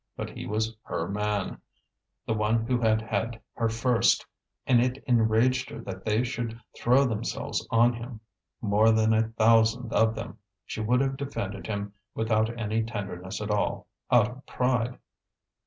But he was her man, the one who had had her first; and it enraged her that they should throw themselves on him more than a thousand of them. She would have defended him without any tenderness at all, out of pride.